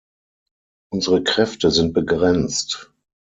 Unsere Kräfte sind begrenzt.